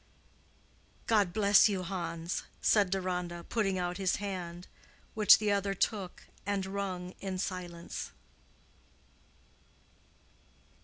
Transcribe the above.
"God bless you, Hans!" said Deronda, putting out his hand, which the other took and wrung in silence.